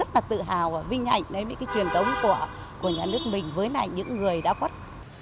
rất là tự hào và vinh hạnh đến những truyền tống của nhà nước mình với những người đã quất